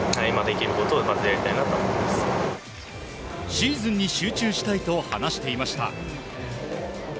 シーズンに集中したいと話していました。